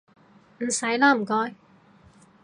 唔使喇唔該